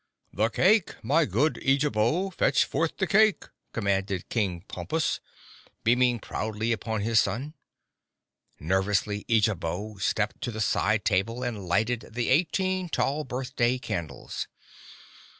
"The cake, my good Eejabo! Fetch forth the cake!" commanded King Pompus, beaming fondly upon his son. Nervously Eejabo stepped to the side table and lighted the eighteen tall birthday candles.